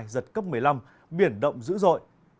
giật cấp một mươi năm biển động dữ dội